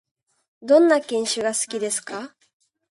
どんな犬種が好きですか？